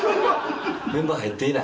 メンバー入っていない。